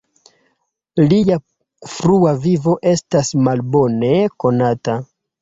Lia frua vivo estas malbone konata.